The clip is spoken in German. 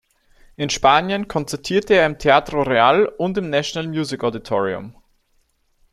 In Spanien konzertierte er im Teatro Real und im National Music Auditorium.